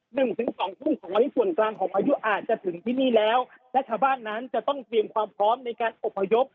หนึ่งถึงสองทุ่มของวันนี้ส่วนกลางของพายุอาจจะถึงที่นี่แล้วและชาวบ้านนั้นจะต้องเตรียมความพร้อมในการอบพยพ